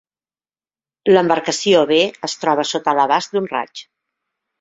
L"embarcació B es troba sota l"abast d"un raig.